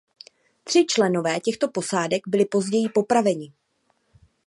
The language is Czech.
Tři členové těchto posádek byli později popraveni.